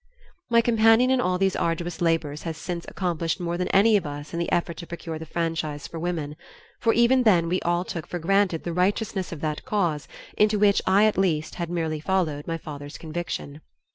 My companion in all these arduous labors has since accomplished more than any of us in the effort to procure the franchise for women, for even then we all took for granted the righteousness of that cause into which I at least had merely followed my father's conviction.